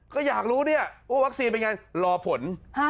ก็อยากรู้ว่าวัคซีนเป็นอย่างไรรอผล